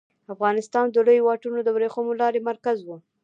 افغانستان د لویو واټونو د ورېښمو لارې مرکز و